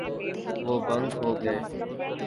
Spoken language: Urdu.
وہ بند ہو گئے۔